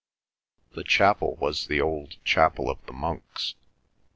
The chapel was the old chapel of the monks.